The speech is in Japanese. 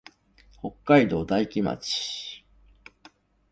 北海道大樹町